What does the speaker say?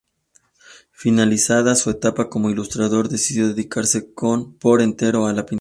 Finalizada su etapa como ilustrador decidió dedicarse por entero a la pintura.